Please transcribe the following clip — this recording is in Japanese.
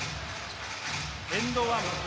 エンドワン。